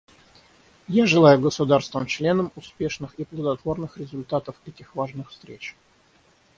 Я желаю государствам-членам успешных и плодотворных результатов этих важных встреч.